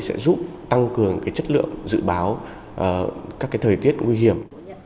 sẽ giúp tăng cường chất lượng dự báo các thời tiết nguy hiểm